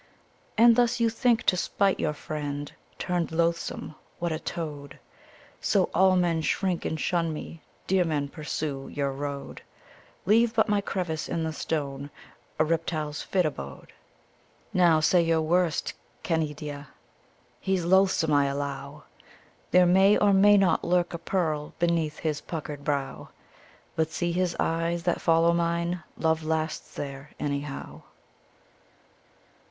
And thus you think to spite your friend — turned loath some ? What, a toad ? So, all men shrink and shun mel Dear men, pursue your road ! Leave but my crevice in the stone, a reptile's fit abode ! C4 c d by Google i8 ASOLANDO: Now say your worst, Canidia! "He 's loathsome, I allow : There may or may not lurk a pearl beneath his puckered brow: Rut see his eyes that follow mine — love lasts, there, any how."